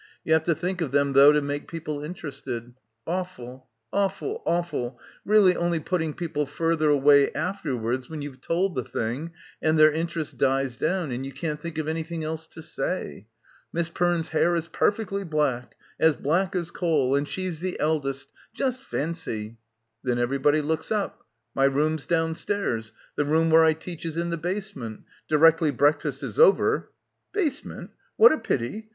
You have to think of them though to make people interested — awful, awful, awful, really only putting people further away afterwards when you've told the thing and their interest dies down and you can't think of anything else to say. 'Miss Perne's hair is perfectly black — as black as coal, and she's the eldest, just fancy. 9 Then everybody looks up. 'My room's downstairs, the room where I teach, is in the basement. Directly breakfast is over '" 'Basement ? What a pity !